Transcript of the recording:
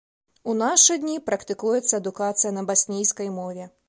У нашы дні практыкуецца адукацыя на баснійскай мове.